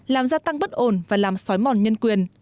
làm gia tăng bất ổn và làm sói mòn nhân quyền